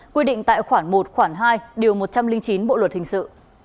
quy định tại khoảng một khoảng hai điều một trăm linh chín bộ luật hình sự